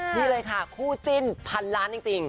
นี่เลยค่ะคู่จิ้นพันล้านจริง